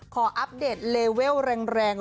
อัปเดตเลเวลแรง